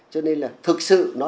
cho nên là thực sự